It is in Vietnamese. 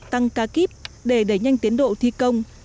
tăng ca kíp để đẩy nhanh tiến độ thi công